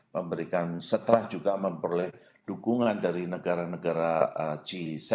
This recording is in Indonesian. memberikan setelah juga memperoleh dukungan dari negara negara g tujuh